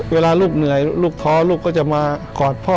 เวลาลูกเหนื่อยลูกท้อลูกก็จะมากอดพ่อ